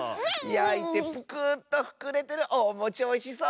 やいてプクーッとふくれてるおもちおいしそう！